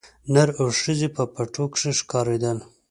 نر او ښځي په پټو کښي ښکارېدل